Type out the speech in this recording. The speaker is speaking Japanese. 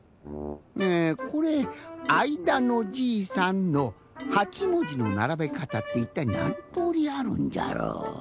えこれ「あいだのじいさん」の８もじのならべかたっていったいなんとおりあるんじゃろう？